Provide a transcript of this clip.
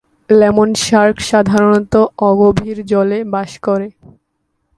Lemon shark সাধারণত অগভীর জলে বাস করে।